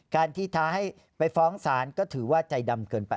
การที่ท้าให้ไปฟ้องศาลก็ถือว่าใจดำเกินไป